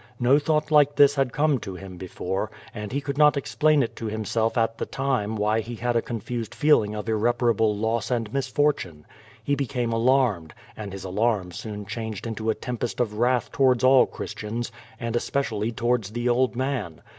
Xo thought like this had come to liim before, and he could not explain it to himself at the time why he had a confused feeling of irreparable loss and misfortune, lie became alarmed, and his alarm soon changed into a tempest of wrath towards all Christians, and especially towards the old man.